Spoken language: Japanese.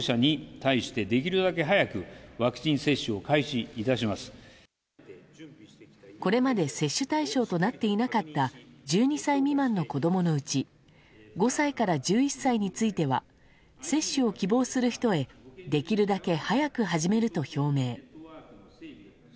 こうした中、岸田総理は。これまで接種対象となっていなかった１２歳未満の子供のうち５歳から１１歳については接種を希望する人へできるだけ早く始めると表明。